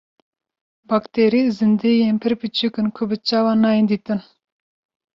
Bakterî zindiyên pir biçûk in ku bi çavan nayên dîtin.